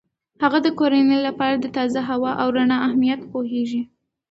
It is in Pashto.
هغه د کورنۍ لپاره د تازه هوا او رڼا اهمیت پوهیږي.